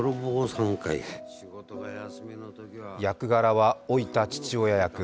役柄は老いた父親役。